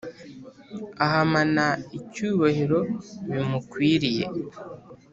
Ahamana icyubahiro kimukwiriye